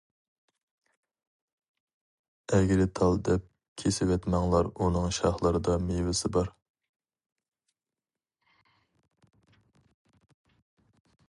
ئەگرى تال دەپ كېسىۋەتمەڭلار ئۇنىڭ شاخلىرىدا مېۋىسى بار.